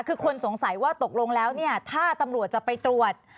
คือคนสงสัยว่าตกลงแล้วเนี่ยถ้าตำรวจจะไปตรวจ